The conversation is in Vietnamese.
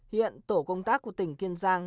hiện tổ công tác của tỉnh kiên giang